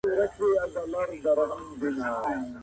چي دي و وینم د تورو سترګو جنګ کي